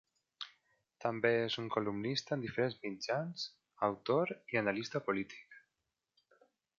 També és un columnista en diferents mitjans, autor i analista polític.